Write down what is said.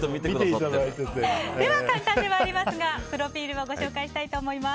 簡単ではありますがプロフィールをご紹介します。